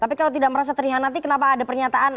tapi kalau tidak merasa terhianati kenapa ada pernyataan